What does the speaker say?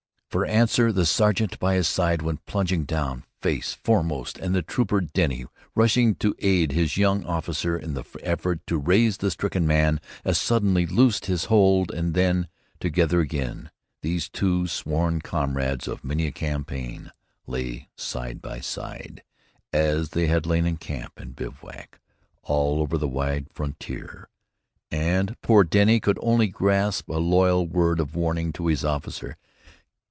For answer the sergeant by his side went plunging down, face foremost, and little Trooper Denny, rushing to aid his young officer in the effort to raise the stricken man, as suddenly loosed his hold and, together again, these two sworn comrades of many a campaign lay side by side, as they had lain in camp and bivouac all over the wide frontier, and poor Denny could only gasp a loyal word of warning to his officer.